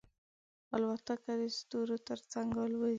الوتکه د ستورو تر څنګ الوزي.